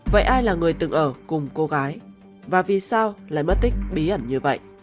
vậy ai là người từng ở cùng cô gái và vì sao lại mất tích bí ẩn như vậy